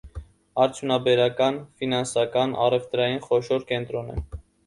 Արդյունաբերական, ֆինանսական, առևտրային խոշոր կենտրոն է։